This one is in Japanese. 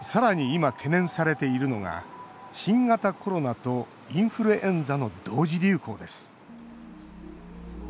今、懸念されているのが新型コロナとインフルエンザの同時流行です。